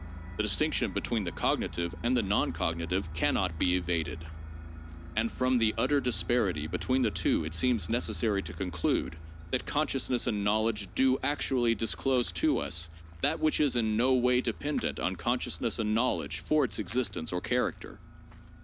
The distinc tion between the cognitive and the non cognitive can not be evaded. And from the utter disparity between the two it seems necessary to conclude that 'consciousness and knowledge do actually disclose to us that which is in no way dependent on consciousness and knowledge for its existence or character.